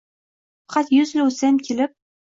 Faqat yuz yil o’tsayam, kelib